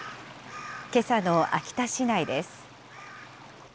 けさの秋田市内です。